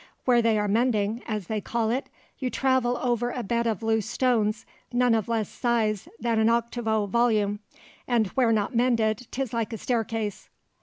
"Where they are mending, as they call it, you travel over a bed of loose stones none of less size than an octavo volume, and where not mended 'tis like a staircase."